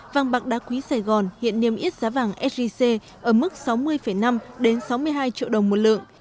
vàng bạc đá quý sài gòn hiện niêm yết giá vàng sgc ở mức sáu mươi năm đến sáu mươi hai triệu đồng một lượng